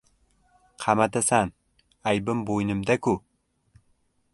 — Qamatasan! Aybim bo‘ynimda-ku!